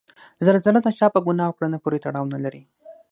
زلزله د چا په ګناه او کړنه پورې تړاو نلري.